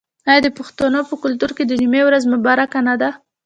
آیا د پښتنو په کلتور کې د جمعې ورځ مبارکه نه ده؟